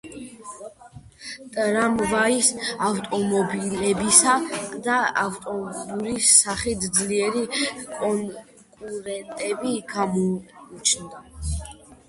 ტრამვაის ავტომობილებისა და ავტობუსის სახით ძლიერი კონკურენტები გამოუჩნდა.